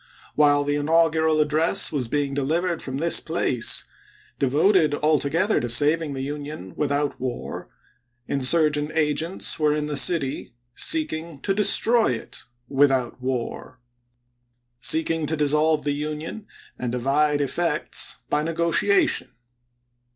While the inaugural address was being delivered from this place, devoted altogether to saving the Union without war, insurgent agents were in the city seeking to destroy it without war — seeking to dissolve the Union, and divide effects, by negotiation.